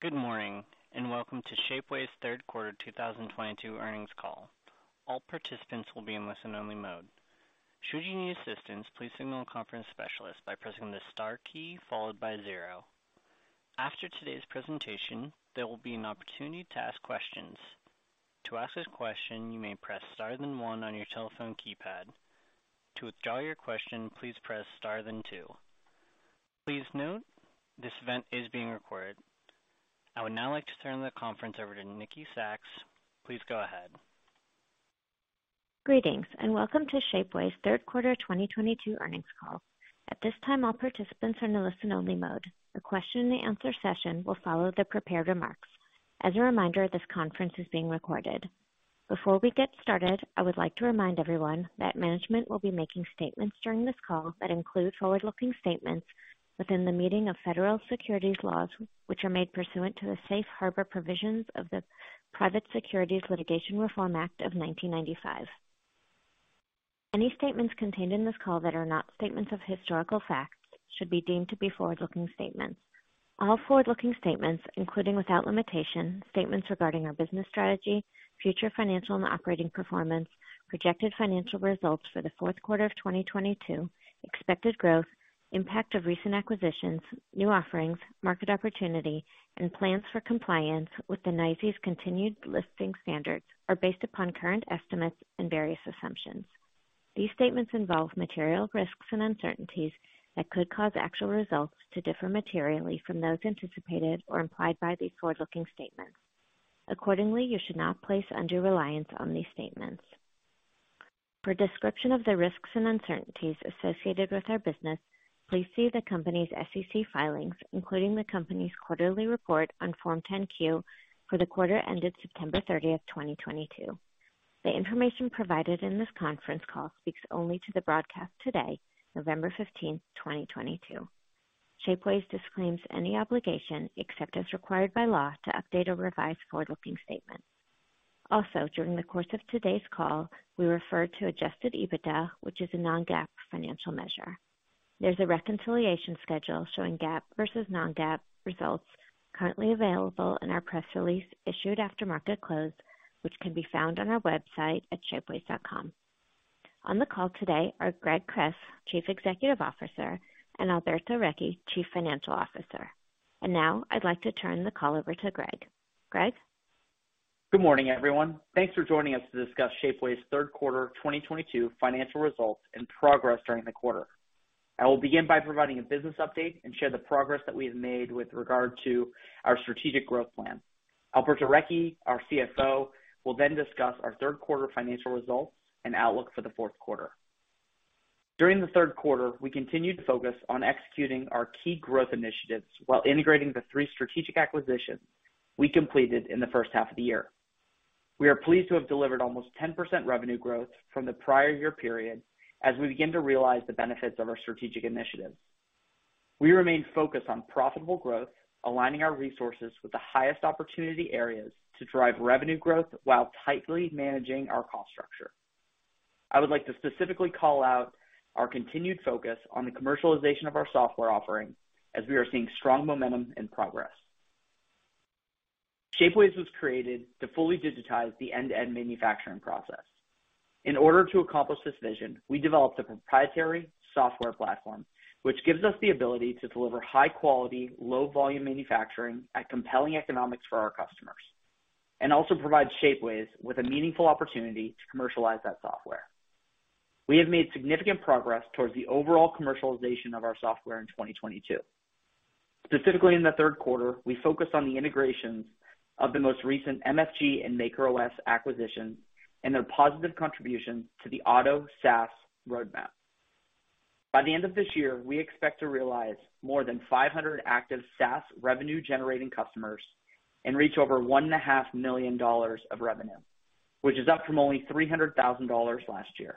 Good morning, and welcome to Shapeways' third quarter 2022 earnings call. All participants will be in listen-only mode. Should you need assistance, please signal a conference specialist by pressing the star key followed by zero. After today's presentation, there will be an opportunity to ask questions. To ask a question, you may press star then one on your telephone keypad. To withdraw your question, please press star then two. Please note, this event is being recorded. I would now like to turn the conference over to Nikki Sacks. Please go ahead. Greetings, and welcome to Shapeways' third quarter 2022 earnings call. At this time, all participants are in a listen-only mode. The question and answer session will follow the prepared remarks. As a reminder, this conference is being recorded. Before we get started, I would like to remind everyone that management will be making statements during this call that include forward-looking statements within the meaning of federal securities laws, which are made pursuant to the Safe Harbor provisions of the Private Securities Litigation Reform Act of 1995. Any statements contained in this call that are not statements of historical facts should be deemed to be forward-looking statements. All forward-looking statements, including without limitation, statements regarding our business strategy, future financial and operating performance, projected financial results for the fourth quarter of 2022, expected growth, impact of recent acquisitions, new offerings, market opportunity, and plans for compliance with the NYSE's continued listing standards are based upon current estimates and various assumptions. These statements involve material risks and uncertainties that could cause actual results to differ materially from those anticipated or implied by these forward-looking statements. Accordingly, you should not place undue reliance on these statements. For a description of the risks and uncertainties associated with our business, please see the company's SEC filings, including the company's quarterly report on Form 10-Q for the quarter ended September 30, 2022. The information provided in this conference call speaks only to the broadcast today, November 15, 2022. Shapeways disclaims any obligation, except as required by law, to update or revise forward-looking statements. Also, during the course of today's call, we refer to Adjusted EBITDA, which is a non-GAAP financial measure. There's a reconciliation schedule showing GAAP versus non-GAAP results currently available in our press release issued after market close, which can be found on our website at shapeways.com. On the call today are Greg Kress, Chief Executive Officer, and Alberto Recchi, Chief Financial Officer. Now I'd like to turn the call over to Greg. Greg. Good morning, everyone. Thanks for joining us to discuss Shapeways' third quarter 2022 financial results and progress during the quarter. I will begin by providing a business update and share the progress that we have made with regard to our strategic growth plan. Alberto Recchi, our Chief Financial Officer, will then discuss our third quarter financial results and outlook for the fourth quarter. During the third quarter, we continued to focus on executing our key growth initiatives while integrating the three strategic acquisitions we completed in the first half of the year. We are pleased to have delivered almost 10% revenue growth from the prior year period as we begin to realize the benefits of our strategic initiatives. We remain focused on profitable growth, aligning our resources with the highest opportunity areas to drive revenue growth while tightly managing our cost structure. I would like to specifically call out our continued focus on the commercialization of our software offering as we are seeing strong momentum and progress. Shapeways was created to fully digitize the end-to-end manufacturing process. In order to accomplish this vision, we developed a proprietary software platform, which gives us the ability to deliver high quality, low volume manufacturing at compelling economics for our customers, and also provides Shapeways with a meaningful opportunity to commercialize that software. We have made significant progress towards the overall commercialization of our software in 2022. Specifically, in the third quarter, we focused on the integrations of the most recent MFG and MakerOS acquisitions and their positive contribution to the Otto SaaS roadmap. By the end of this year, we expect to realize more than 500 active SaaS revenue-generating customers and reach over $1.5 million of revenue, which is up from only $300,000 last year.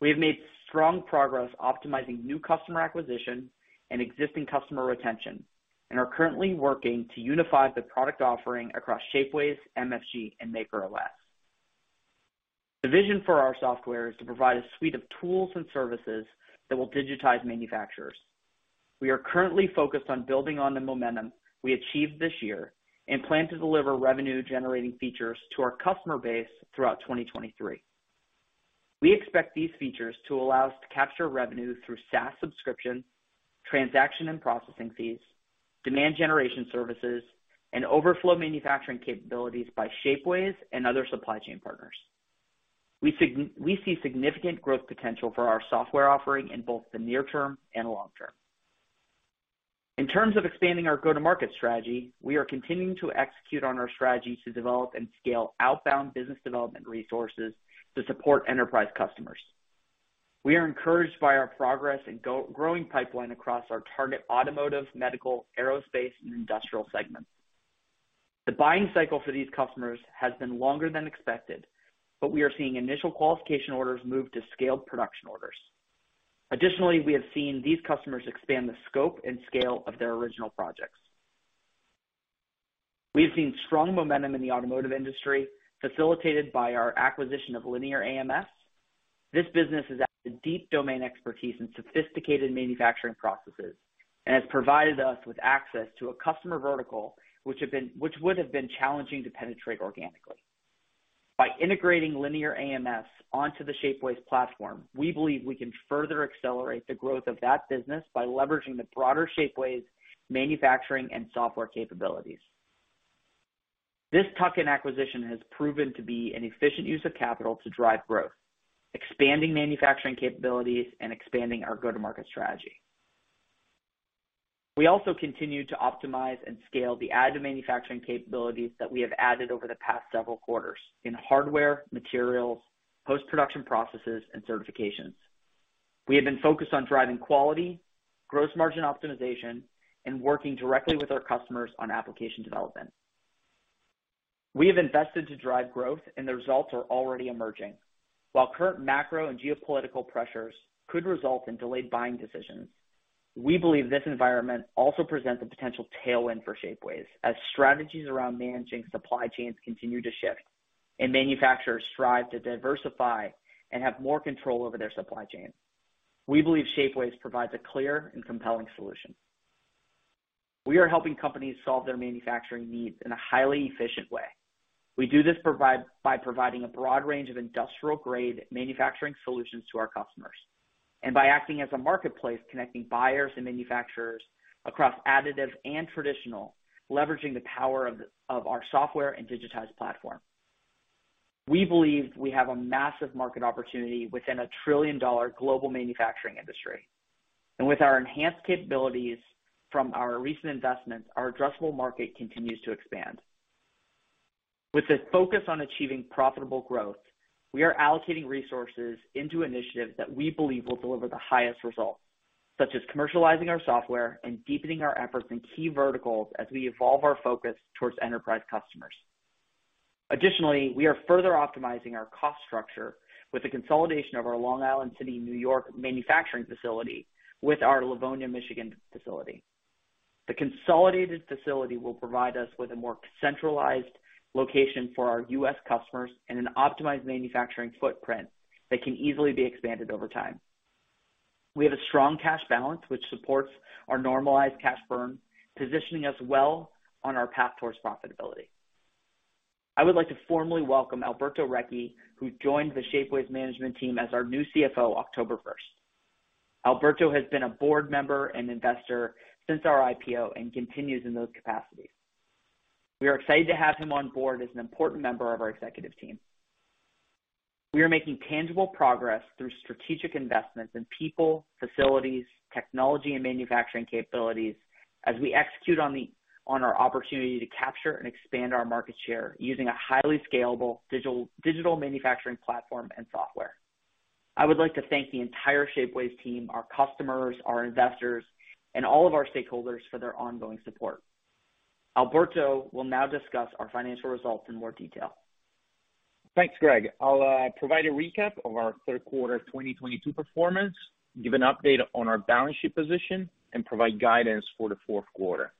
We have made strong progress optimizing new customer acquisition and existing customer retention and are currently working to unify the product offering across Shapeways, MFG, and Maker OS. The vision for our software is to provide a suite of tools and services that will digitize manufacturers. We are currently focused on building on the momentum we achieved this year and plan to deliver revenue-generating features to our customer base throughout 2023. We expect these features to allow us to capture revenue through SaaS subscription, transaction and processing fees, demand generation services, and overflow manufacturing capabilities by Shapeways and other supply chain partners. We see significant growth potential for our software offering in both the near term and long term. In terms of expanding our go-to-market strategy, we are continuing to execute on our strategy to develop and scale outbound business development resources to support enterprise customers. We are encouraged by our progress in growing pipeline across our target automotive, medical, aerospace, and industrial segments. The buying cycle for these customers has been longer than expected, but we are seeing initial qualification orders move to scaled production orders. Additionally, we have seen these customers expand the scope and scale of their original projects. We've seen strong momentum in the automotive industry, facilitated by our acquisition of Linear AMS. This business has added deep domain expertise and sophisticated manufacturing processes and has provided us with access to a customer vertical which would have been challenging to penetrate organically. By integrating Linear AMS onto the Shapeways platform, we believe we can further accelerate the growth of that business by leveraging the broader Shapeways manufacturing and software capabilities. This tuck-in acquisition has proven to be an efficient use of capital to drive growth, expanding manufacturing capabilities, and expanding our go-to-market strategy. We also continue to optimize and scale the additive manufacturing capabilities that we have added over the past several quarters in hardware, materials, post-production processes, and certifications. We have been focused on driving quality, gross margin optimization, and working directly with our customers on application development. We have invested to drive growth, and the results are already emerging. While current macro and geopolitical pressures could result in delayed buying decisions, we believe this environment also presents a potential tailwind for Shapeways as strategies around managing supply chains continue to shift and manufacturers strive to diversify and have more control over their supply chain. We believe Shapeways provides a clear and compelling solution. We are helping companies solve their manufacturing needs in a highly efficient way. We do this by providing a broad range of industrial-grade manufacturing solutions to our customers and by acting as a marketplace connecting buyers and manufacturers across additive and traditional, leveraging the power of our software and digitized platform. We believe we have a massive market opportunity within a trillion-dollar global manufacturing industry. With our enhanced capabilities from our recent investments, our addressable market continues to expand. With the focus on achieving profitable growth, we are allocating resources into initiatives that we believe will deliver the highest results, such as commercializing our software and deepening our efforts in key verticals as we evolve our focus towards enterprise customers. Additionally, we are further optimizing our cost structure with the consolidation of our Long Island City, New York, manufacturing facility with our Livonia, Michigan, facility. The consolidated facility will provide us with a more centralized location for our U.S. customers and an optimized manufacturing footprint that can easily be expanded over time. We have a strong cash balance which supports our normalized cash burn, positioning us well on our path towards profitability. I would like to formally welcome Alberto Recchi, who joined the Shapeways management team as our new Chief Financial Officer, October 1st. Alberto has been a board member and investor since our IPO and continues in those capacities. We are excited to have him on board as an important member of our executive team. We are making tangible progress through strategic investments in people, facilities, technology, and manufacturing capabilities as we execute on our opportunity to capture and expand our market share using a highly scalable digital manufacturing platform and software. I would like to thank the entire Shapeways team, our customers, our investors, and all of our stakeholders for their ongoing support. Alberto will now discuss our financial results in more detail. Thanks, Greg. I'll provide a recap of our third quarter of 2022 performance, give an update on our balance sheet position, and provide guidance for the fourth quarter.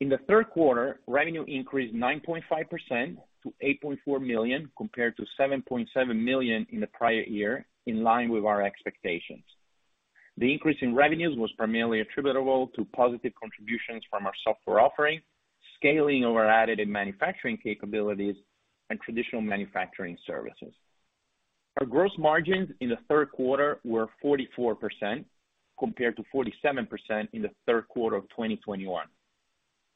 In the third quarter, revenue increased 9.5% to $8.4 million compared to $7.7 million in the prior year, in line with our expectations. The increase in revenues was primarily attributable to positive contributions from our software offering, scaling of our additive manufacturing capabilities, and traditional manufacturing services. Our gross margins in the third quarter were 44%, compared to 47% in the third quarter of 2021.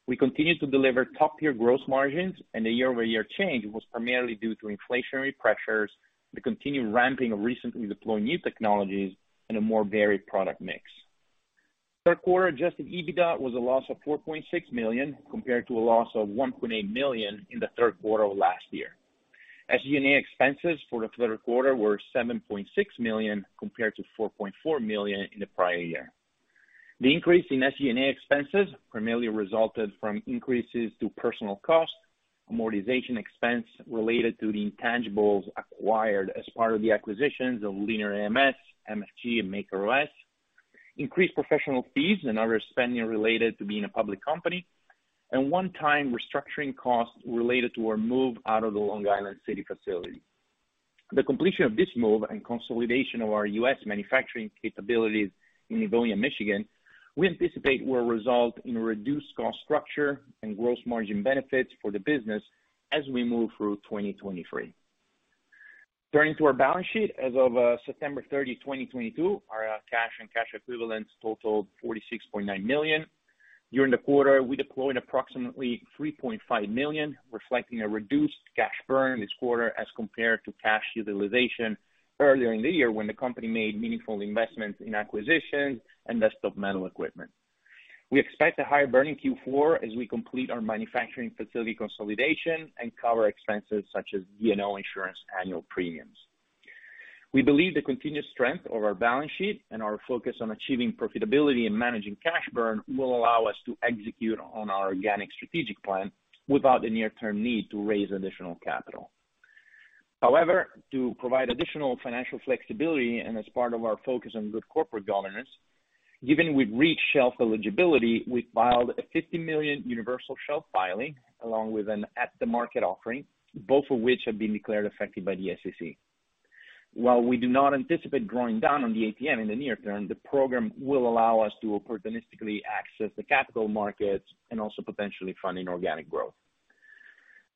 We continued to deliver top-tier gross margins, and the year-over-year change was primarily due to inflationary pressures, the continued ramping of recently deployed new technologies, and a more varied product mix. Third quarter adjusted EBITDA was a loss of $4.6 million, compared to a loss of $1.8 million in the third quarter of last year. SG&A expenses for the third quarter were $7.6 million, compared to $4.4 million in the prior year. The increase in SG&A expenses primarily resulted from increases to personal costs, amortization expense related to the intangibles acquired as part of the acquisitions of Linear AMS, MFG.com, and MakerOS, increased professional fees and other spending related to being a public company, and one-time restructuring costs related to our move out of the Long Island City facility. The completion of this move and consolidation of our U.S., manufacturing capabilities in Livonia, Michigan, we anticipate will result in a reduced cost structure and gross margin benefits for the business as we move through 2023. Turning to our balance sheet, as of September 30, 2022, our cash and cash equivalents totaled $46.9 million. During the quarter, we deployed approximately $3.5 million, reflecting a reduced cash burn this quarter as compared to cash utilization earlier in the year when the company made meaningful investments in acquisitions and Desktop Metal equipment. We expect a higher burn in Q4 as we complete our manufacturing facility consolidation and cover expenses such as D&O insurance annual premiums. We believe the continuous strength of our balance sheet and our focus on achieving profitability and managing cash burn will allow us to execute on our organic strategic plan without the near-term need to raise additional capital. However, to provide additional financial flexibility, and as part of our focus on good corporate governance, given we've reached shelf eligibility, we filed a $50 million universal shelf filing along with an at-the-market offering, both of which have been declared effective by the SEC. While we do not anticipate drawing down on the ATM in the near term, the program will allow us to opportunistically access the capital markets and also potentially funding organic growth.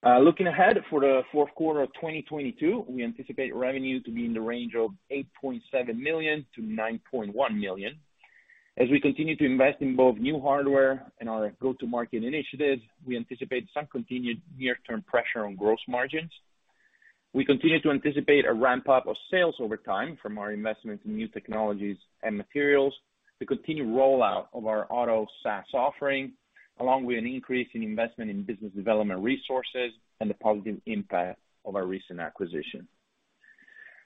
Looking ahead for the fourth quarter of 2022, we anticipate revenue to be in the range of $8.7 million-$9.1 million. As we continue to invest in both new hardware and our go-to-market initiatives, we anticipate some continued near-term pressure on gross margins. We continue to anticipate a ramp-up of sales over time from our investments in new technologies and materials, the continued rollout of our OTTO SaaS offering, along with an increase in investment in business development resources and the positive impact of our recent acquisition.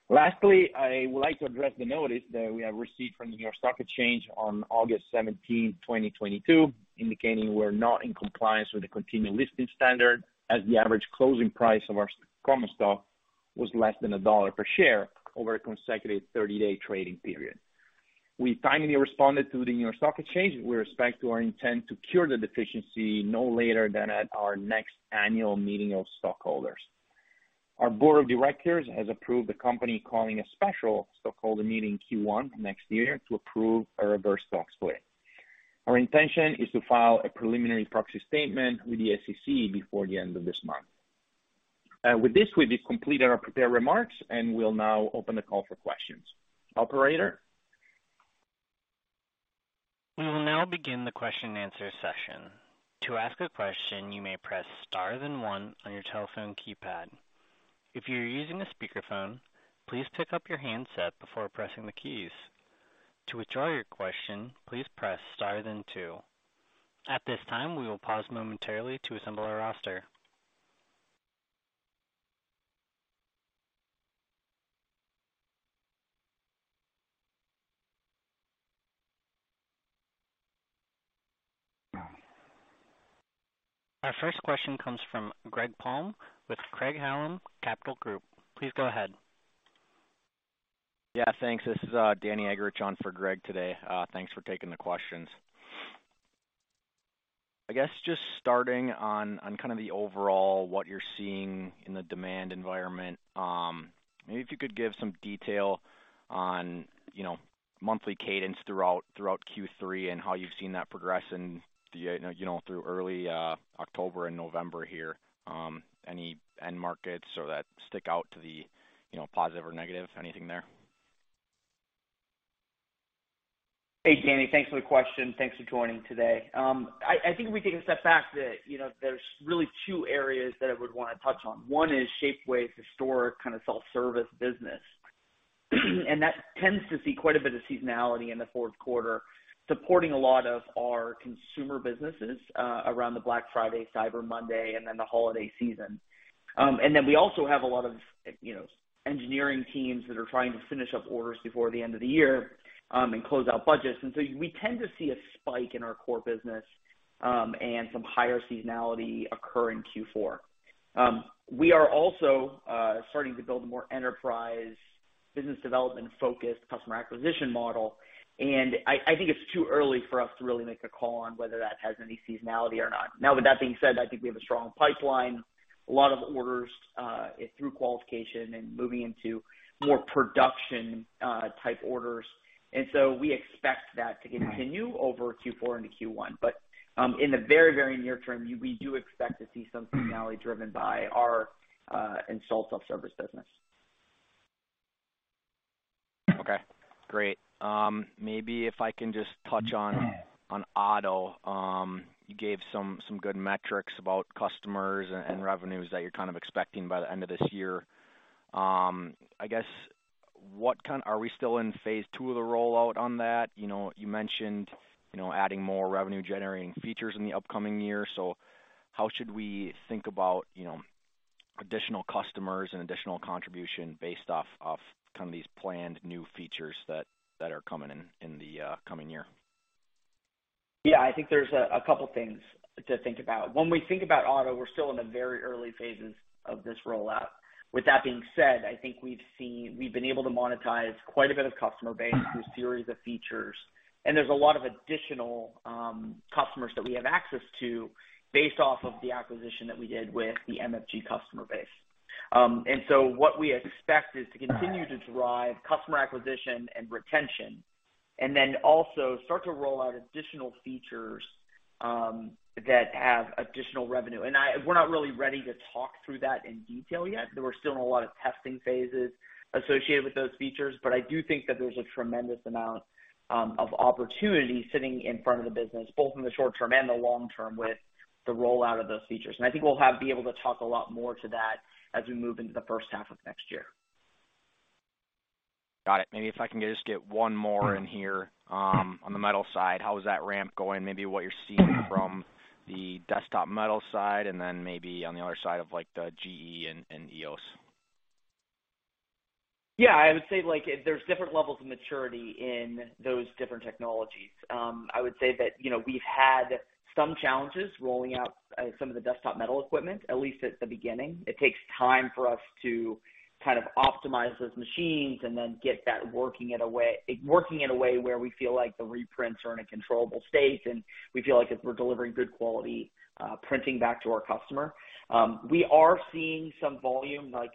Lastly, I would like to address the notice that we have received from the New York Stock Exchange on August 17, 2022, indicating we're not in compliance with the continued listing standard as the average closing price of our common stock was less than $1 per share over a consecutive 30-day trading period. We timely responded to the New York Stock Exchange with respect to our intent to cure the deficiency no later than at our next annual meeting of stockholders. Our board of directors has approved the company calling a special stockholder meeting in Q1 next year to approve a reverse stock split. Our intention is to file a preliminary proxy statement with the SEC before the end of this month. With this, we've completed our prepared remarks, and we'll now open the call for questions. Operator? We will now begin the question and answer session. To ask a question, you may press star then one on your telephone keypad. If you're using a speakerphone, please pick up your handset before pressing the keys. To withdraw your question, please press star then two. At this time, we will pause momentarily to assemble our roster. Our first question comes from Greg Palm with Craig-Hallum Capital Group. Please go ahead. Yeah, thanks. This is Danny Eggerichs on for Greg today. Thanks for taking the questions. I guess just starting on kind of the overall what you're seeing in the demand environment, maybe if you could give some detail on, you know, monthly cadence throughout Q3 and how you've seen that progress in the, you know, through early October and November here. Any end markets or that stick out to the, you know, positive or negative, anything there? Hey, Danny. Thanks for the question. Thanks for joining today. I think if we take a step back that, you know, there's really two areas that I would wanna touch on. One is Shapeways' historic kind of self-service business, and that tends to see quite a bit of seasonality in the fourth quarter, supporting a lot of our consumer businesses, around the Black Friday, Cyber Monday, and then the holiday season. We also have a lot of, you know, engineering teams that are trying to finish up orders before the end of the year, and close out budgets. We tend to see a spike in our core business, and some higher seasonality occur in Q4. We are also starting to build a more enterprise business development-focused customer acquisition model, and I think it's too early for us to really make a call on whether that has any seasonality or not. Now, with that being said, I think we have a strong pipeline, a lot of orders through qualification and moving into more production type orders. We expect that to continue over Q4 into Q1. In the very, very near term, we do expect to see some seasonality driven by our install self-service business. Okay, great. Maybe if I can just touch on OTTO. You gave some good metrics about customers and revenues that you're kind of expecting by the end of this year. I guess, are we still in phase II of the rollout on that? You know, you mentioned, you know, adding more revenue-generating features in the upcoming year. How should we think about, you know, additional customers and additional contribution based off of kind of these planned new features that are coming in the coming year? Yeah. I think there's a couple things to think about. When we think about OTTO, we're still in the very early phases of this rollout. With that being said, I think we've been able to monetize quite a bit of customer base through a series of features, and there's a lot of additional customers that we have access to based off of the acquisition that we did with the MFG.com customer base. What we expect is to continue to drive customer acquisition and retention, and then also start to roll out additional features that have additional revenue. We're not really ready to talk through that in detail yet. We're still in a lot of testing phases associated with those features, but I do think that there's a tremendous amount of opportunity sitting in front of the business, both in the short term and the long term, with the rollout of those features. I think we'll be able to talk a lot more to that as we move into the first half of next year. Got it. Maybe if I can just get one more in here. On the metal side, how is that ramp going? Maybe what you're seeing from the Desktop Metal side and then maybe on the other side of, like, the GE and EOS. Yeah, I would say like there's different levels of maturity in those different technologies. I would say that, you know, we've had some challenges rolling out some of the Desktop Metal equipment, at least at the beginning. It takes time for us to kind of optimize those machines and then get that working in a way where we feel like the reprints are in a controllable state, and we feel like if we're delivering good quality printing back to our customer. We are seeing some volume, like,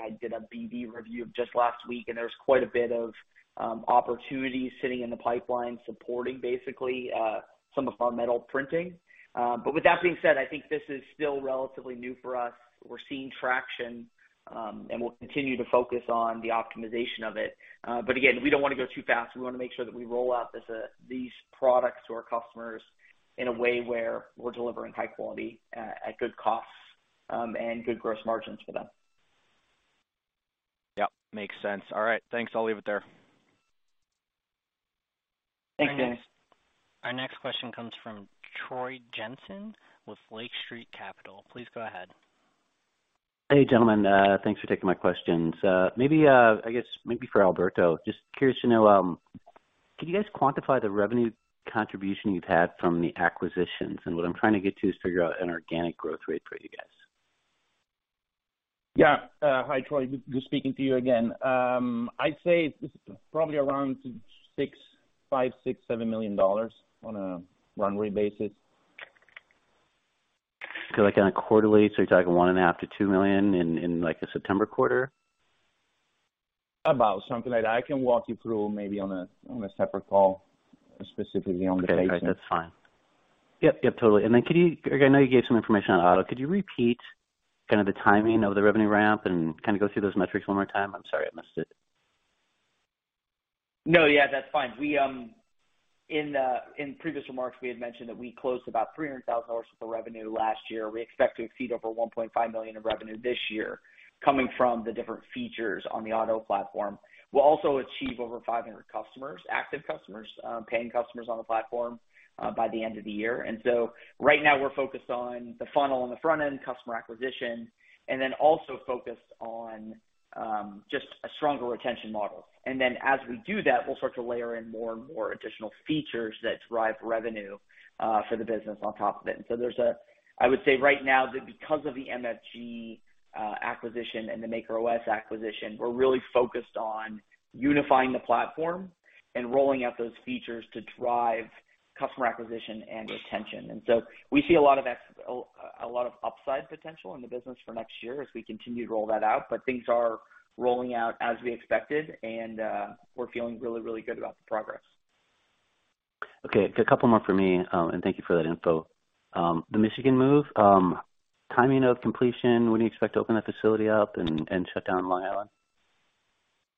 I did a BD review just last week, and there's quite a bit of opportunity sitting in the pipeline supporting basically some of our metal printing. With that being said, I think this is still relatively new for us. We're seeing traction, and we'll continue to focus on the optimization of it. Again, we don't want to go too fast. We want to make sure that we roll out this, these products to our customers in a way where we're delivering high quality at good costs, and good gross margins for them. Yep, makes sense. All right. Thanks. I'll leave it there. Thanks, Danny Eggerichs. Our next question comes from Troy Jensen with Lake Street Capital. Please go ahead. Hey, gentlemen. Thanks for taking my questions. Maybe, I guess maybe for Alberto, just curious to know, can you guys quantify the revenue contribution you've had from the acquisitions? What I'm trying to get to is figure out an organic growth rate for you guys. Hi, Troy, good speaking to you again. I'd say it's probably around $6.5 million-$6.7 million on a run rate basis. Like on a quarterly. You're talking $1.5 million-$2 million in, like, the September quarter. About something like that. I can walk you through maybe on a separate call, specifically on the basis. Okay. That's fine. Yep. Yep, totally. Can you? I know you gave some information on OTTO. Could you repeat kind of the timing of the revenue ramp and kind of go through those metrics one more time? I'm sorry, I missed it. No. Yeah, that's fine. We in previous remarks had mentioned that we closed about $300,000 of revenue last year. We expect to exceed over $1.5 million of revenue this year coming from the different features on the OTTO platform. We'll also achieve over 500 customers, active customers, paying customers on the platform by the end of the year. Right now we're focused on the funnel on the front end, customer acquisition, and then also focused on just a stronger retention model. As we do that, we'll start to layer in more and more additional features that drive revenue for the business on top of it. There's a- I would say right now that because of the MFG acquisition and the MakerOS acquisition, we're really focused on unifying the platform and rolling out those features to drive customer acquisition and retention. We see a lot of upside potential in the business for next year as we continue to roll that out. Things are rolling out as we expected, and we're feeling really, really good about the progress. Okay, a couple more for me. Thank you for that info. The Michigan move, timing of completion, when do you expect to open that facility up and shut down Long Island?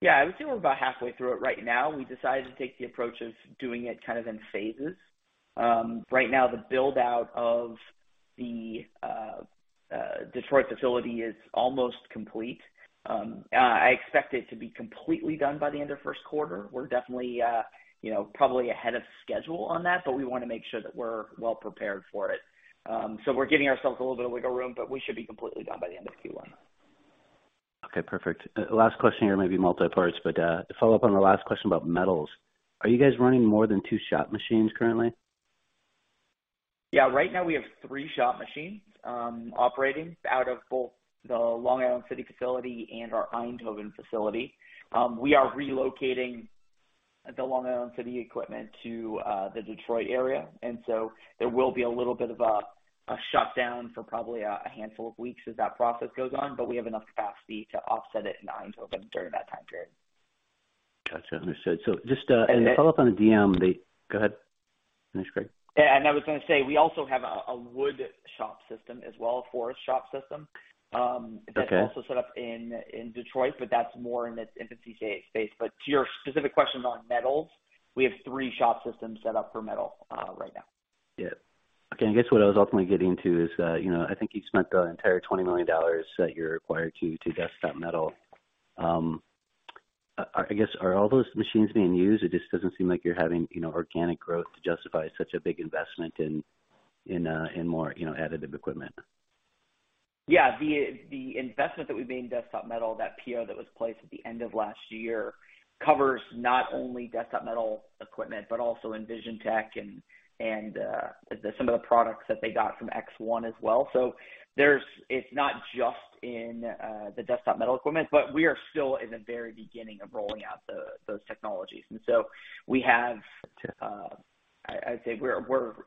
Yeah, I would say we're about halfway through it right now. We decided to take the approach of doing it kind of in phases. Right now the build-out of the Detroit facility is almost complete. I expect it to be completely done by the end of first quarter. We're definitely, you know, probably ahead of schedule on that, but we want to make sure that we're well prepared for it. We're giving ourselves a little bit of wiggle room, but we should be completely done by the end of Q1. Okay, perfect. Last question here, maybe multi-part, but to follow up on the last question about metals, are you guys running more than two shop machines currently? Yeah, right now we have three shop machines operating out of both the Long Island City facility and our Eindhoven facility. We are relocating the Long Island City equipment to the Detroit area, and so there will be a little bit of a shutdown for probably a handful of weeks as that process goes on, but we have enough capacity to offset it in Eindhoven during that time period. Gotcha, understood. Just to follow up on the DM. Go ahead. Finish, Greg. I was gonna say, we also have a Forust Shop System. Okay. That's also set up in Detroit, but that's more in the infancy stage. To your specific question on metals, we have three Shop Systems set up for metal right now. Yeah. Okay. I guess what I was ultimately getting to is that, you know, I think you've spent the entire $20 million that you're required to Desktop Metal. I guess, are all those machines being used? It just doesn't seem like you're having, you know, organic growth to justify such a big investment in more, you know, additive equipment. Yeah. The investment that we made in Desktop Metal, that PO that was placed at the end of last year covers not only Desktop Metal equipment, but also EnvisionTEC and some of the products that they got from ExOne as well. It's not just in the Desktop Metal equipment, but we are still in the very beginning of rolling out those technologies. We have to, I'd say we're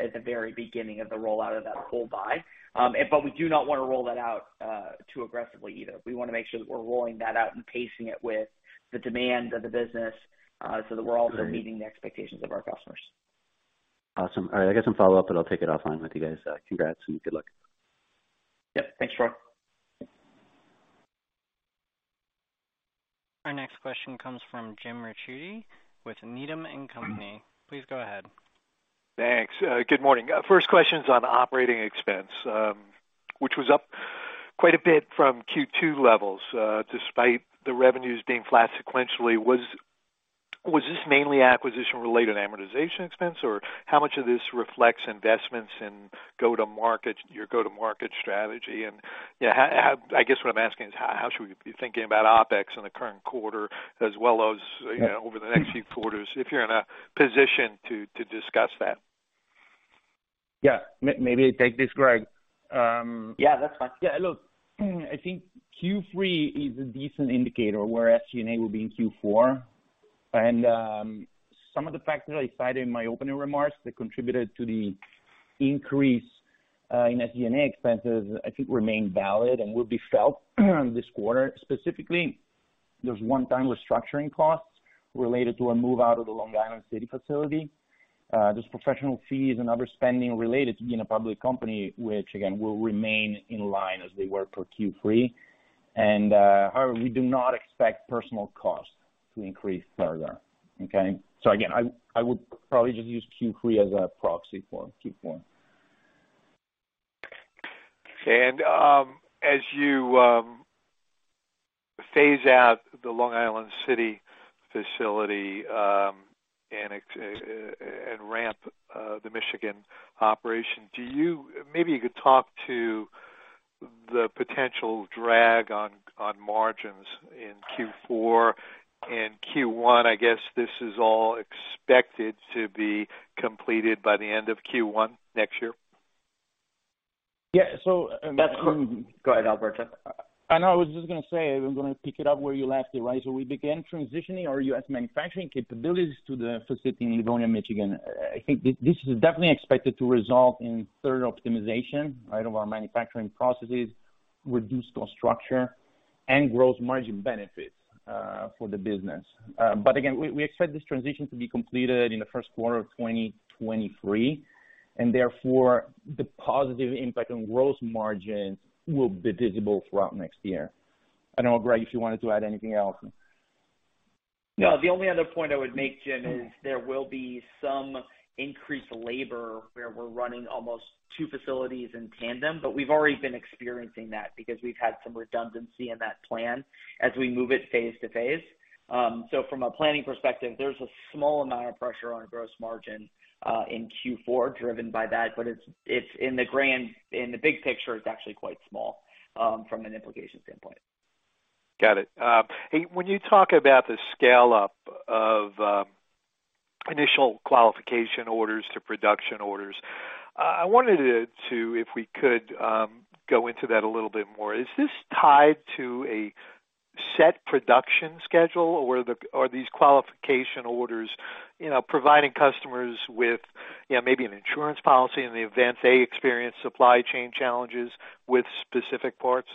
at the very beginning of the rollout of that whole buy. But we do not wanna roll that out too aggressively either. We wanna make sure that we're rolling that out and pacing it with the demand of the business, so that we're also meeting the expectations of our customers. Awesome. All right. I got some follow-up, but I'll take it offline with you guys. Congrats and good luck. Yep. Thanks, Troy. Our next question comes from James Ricchiuti with Needham & Company. Please go ahead. Thanks. Good morning. First question is on operating expense, which was up quite a bit from Q2 levels, despite the revenues being flat sequentially. Was this mainly acquisition-related amortization expense? Or how much of this reflects investments in go-to-market, your go-to-market strategy? And, yeah, I guess what I'm asking is how should we be thinking about OpEx in the current quarter as well as, you know, over the next few quarters, if you're in a position to discuss that? Yeah. Maybe I take this, Greg. Yeah, that's fine. Yeah. Look, I think Q3 is a decent indicator where SG&A will be in Q4. Some of the factors I cited in my opening remarks that contributed to the increase in SG&A expenses, I think remain valid and will be felt this quarter. Specifically, there's one-time restructuring costs related to a move out of the Long Island City facility. There's professional fees and other spending related to being a public company, which again, will remain in line as they were for Q3. However, we do not expect personnel costs to increase further. Okay? Again, I would probably just use Q3 as a proxy for Q4. As you phase out the Long Island City facility and ramp the Michigan operation, maybe you could talk to the potential drag on margins in Q4 and Q1. I guess this is all expected to be completed by the end of Q1 next year. Yeah. Go ahead, Alberto. I know, I was just gonna say, I'm gonna pick it up where you left it, right? We began transitioning our U.S. manufacturing capabilities to the facility in Livonia, Michigan. I think this is definitely expected to result in further optimization, right? Of our manufacturing processes, reduced cost structure, and gross margin benefits, for the business. Again, we expect this transition to be completed in the first quarter of 2023, and therefore, the positive impact on gross margins will be visible throughout next year. I don't know, Greg, if you wanted to add anything else. No, the only other point I would make, James, is there will be some increased labor where we're running almost two facilities in tandem, but we've already been experiencing that because we've had some redundancy in that plan as we move it phase to phase. From a planning perspective, there's a small amount of pressure on our gross margin in Q4 driven by that, but it's in the big picture actually quite small from an implication standpoint. Got it. Hey, when you talk about the scale up of initial qualification orders to production orders, I wanted to, if we could, go into that a little bit more. Is this tied to a set production schedule? Or are these qualification orders, you know, providing customers with, you know, maybe an insurance policy in the event they experience supply chain challenges with specific parts?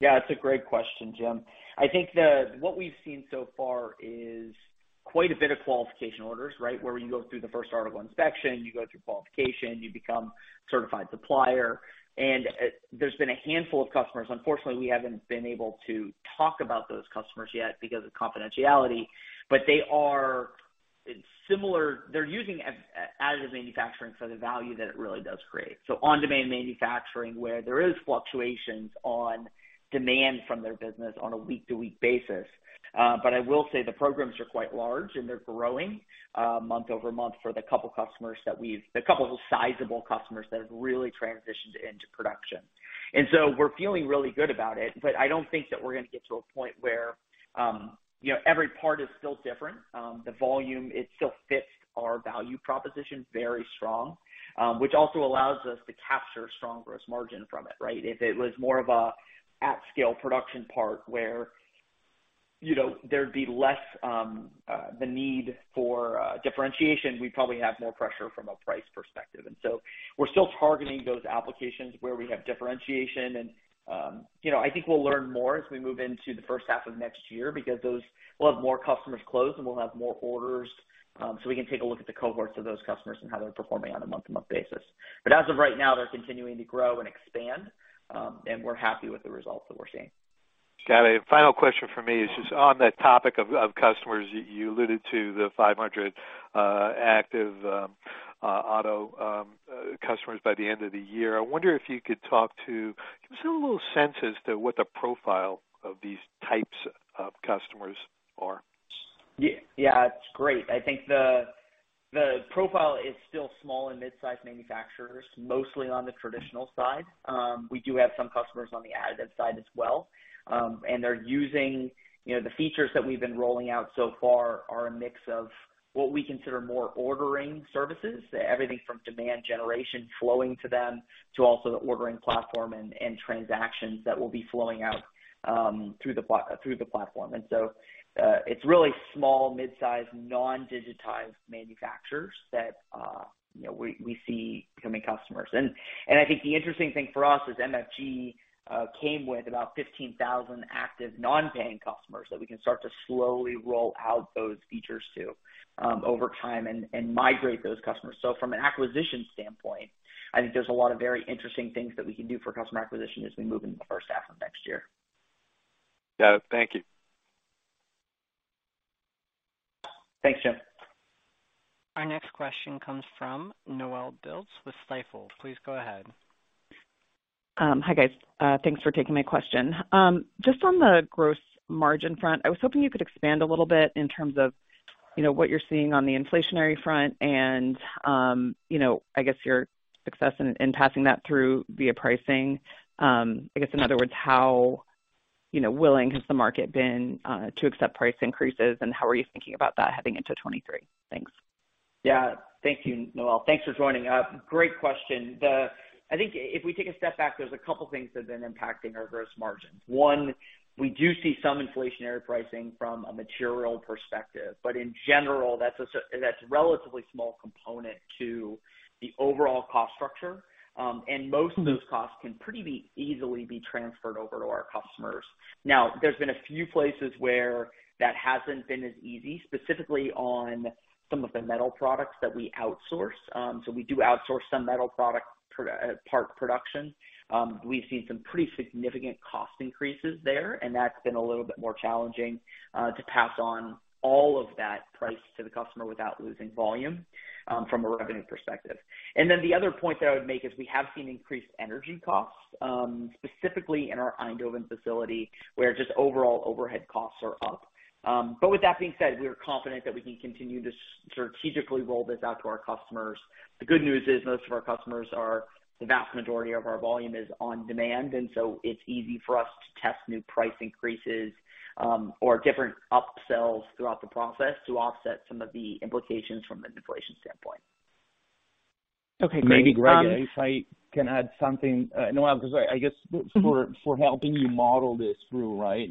Yeah, it's a great question, James. I think what we've seen so far is quite a bit of qualification orders, right? Where you go through the first article inspection, you go through qualification, you become certified supplier. There's been a handful of customers. Unfortunately, we haven't been able to talk about those customers yet because of confidentiality, but they are similar. They're using additive manufacturing for the value that it really does create, so on-demand manufacturing where there is fluctuations in demand from their business on a week-to-week basis. I will say the programs are quite large, and they're growing month-over-month for a couple sizable customers that have really transitioned into production. We're feeling really good about it, but I don't think that we're gonna get to a point where, you know, every part is still different. The volume, it still fits our value proposition very strong, which also allows us to capture strong gross margin from it, right? If it was more of an at-scale production part where, you know, there'd be less, the need for differentiation, we'd probably have more pressure from a price perspective. We're still targeting those applications where we have differentiation. You know, I think we'll learn more as we move into the first half of next year because we'll have more customers closing, and we'll have more orders, so we can take a look at the cohorts of those customers and how they're performing on a month-to-month basis. As of right now, they're continuing to grow and expand, and we're happy with the results that we're seeing. Got it. Final question for me is just on that topic of customers. You alluded to the 500 active OTTO customers by the end of the year. I wonder if you could talk to give us a little sense as to what the profile of these types of customers are. Yeah. Yeah, it's great. I think the profile is still small and mid-size manufacturers, mostly on the traditional side. We do have some customers on the additive side as well. And they're using, you know, the features that we've been rolling out so far are a mix of what we consider more ordering services, everything from demand generation flowing to them, to also the ordering platform and transactions that will be flowing out through the platform. It's really small, mid-size, non-digitized manufacturers that, you know, we see becoming customers. I think the interesting thing for us is MFG.com came with about 15,000 active non-paying customers that we can start to slowly roll out those features to over time and migrate those customers. From an acquisition standpoint, I think there's a lot of very interesting things that we can do for customer acquisition as we move into the first half of next year. Got it. Thank you. Thanks, James. Our next question comes from Noelle Dilts with Stifel. Please go ahead. Hi, guys. Thanks for taking my question. Just on the gross margin front, I was hoping you could expand a little bit in terms of, you know, what you're seeing on the inflationary front and, you know, I guess your success in passing that through via pricing. I guess in other words, how, you know, willing has the market been, to accept price increases, and how are you thinking about that heading into 2023? Thanks. Yeah, thank you, Noelle. Thanks for joining. Great question. I think if we take a step back, there's a couple things that have been impacting our gross margins. One, we do see some inflationary pricing from a material perspective, but in general, that's a relatively small component to the overall cost structure. And most of those costs can pretty easily be transferred over to our customers. Now, there's been a few places where that hasn't been as easy, specifically on some of the metal products that we outsource. So we do outsource some metal product part production. We've seen some pretty significant cost increases there, and that's been a little bit more challenging to pass on all of that price to the customer without losing volume from a revenue perspective. The other point that I would make is we have seen increased energy costs, specifically in our Eindhoven facility, where just overall overhead costs are up. With that being said, we are confident that we can continue to strategically roll this out to our customers. The good news is the vast majority of our volume is on demand, and so it's easy for us to test new price increases, or different upsells throughout the process to offset some of the implications from an inflation standpoint. Okay, great. Maybe, Greg, if I can add something. Noelle, because I guess for helping you model this through, right,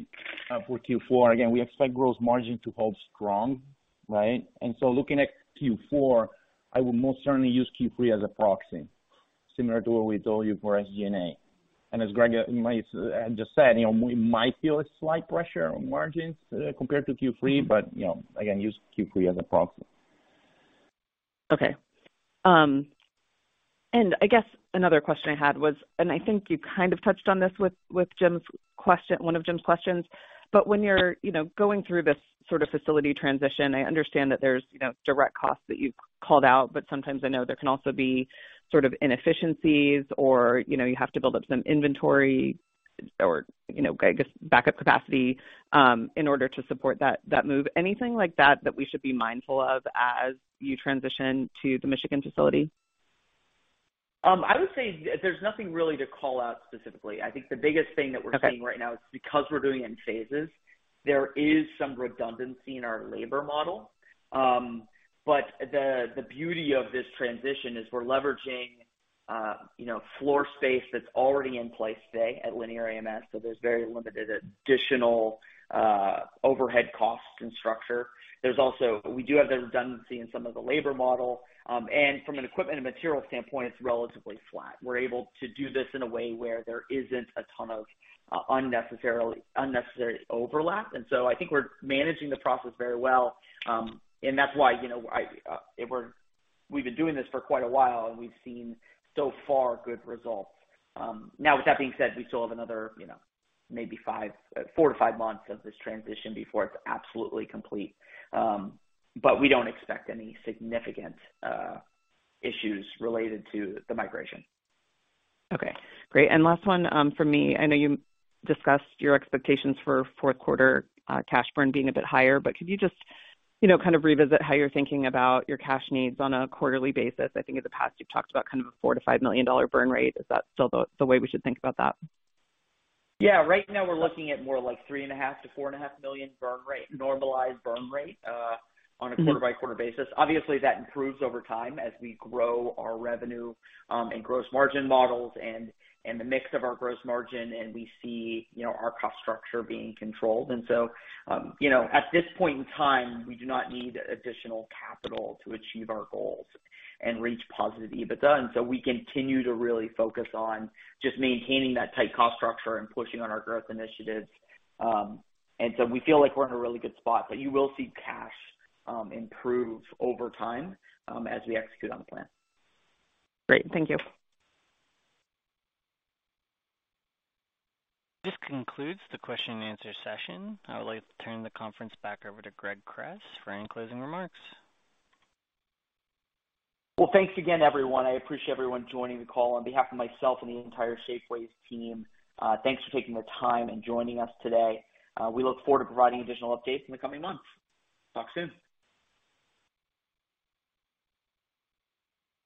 for Q4, again, we expect gross margin to hold strong, right? Looking at Q4, I would most certainly use Q3 as a proxy, similar to what we told you for SG&A. As Greg just said, you know, we might feel a slight pressure on margins compared to Q3, but, you know, again, use Q3 as a proxy. Okay. I guess another question I had was, and I think you kind of touched on this with James' question, one of James' questions. When you're, you know, going through this sort of facility transition, I understand that there's, you know, direct costs that you've called out, but sometimes I know there can also be sort of inefficiencies or, you know, you have to build up some inventory or, you know, I guess backup capacity, in order to support that move. Anything like that that we should be mindful of as you transition to the Michigan facility? I would say there's nothing really to call out specifically. I think the biggest thing that we're seeing right now is because we're doing it in phases, there is some redundancy in our labor model. The beauty of this transition is we're leveraging, you know, floor space that's already in place today at Linear AMS, so there's very limited additional overhead costs and structure. We do have the redundancy in some of the labor model, and from an equipment and material standpoint, it's relatively flat. We're able to do this in a way where there isn't a ton of unnecessary overlap. I think we're managing the process very well, and that's why, you know, we've been doing this for quite a while and we've seen, so far, good results. Now with that being said, we still have another, you know, maybe four to five months of this transition before it's absolutely complete. We don't expect any significant issues related to the migration. Okay, great. Last one, from me. I know you discussed your expectations for fourth quarter, cash burn being a bit higher, but could you just, you know, kind of revisit how you're thinking about your cash needs on a quarterly basis? I think in the past you've talked about kind of a $4 million-$5 million burn rate. Is that still the way we should think about that? Yeah. Right now we're looking at more like $3.5 million-$4.5 million burn rate, normalized burn rate, on a quarter-by-quarter basis. Obviously, that improves over time as we grow our revenue, and gross margin models and the mix of our gross margin, and we see, you know, our cost structure being controlled. you know, at this point in time, we do not need additional capital to achieve our goals and reach positive EBITDA. we continue to really focus on just maintaining that tight cost structure and pushing on our growth initiatives. we feel like we're in a really good spot. you will see cash, improve over time, as we execute on the plan. Great. Thank you. This concludes the question and answer session. I would like to turn the conference back over to Greg Kress for any closing remarks. Well, thanks again, everyone. I appreciate everyone joining the call. On behalf of myself and the entire Shapeways team, thanks for taking the time and joining us today. We look forward to providing additional updates in the coming months. Talk soon.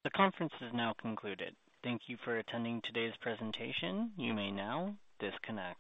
The conference is now concluded. Thank you for attending today's presentation. You may now disconnect.